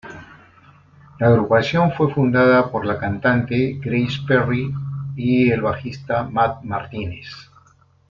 La agrupación fue fundada por la cantante Grace Perry y el bajista Matt Martínez.